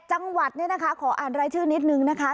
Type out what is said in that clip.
๑๑จังหวัดขออ่านรายชื่อนิดนึงนะคะ